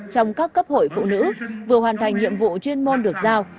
trong các cấp hội phụ nữ vừa hoàn thành nhiệm vụ chuyên môn được giao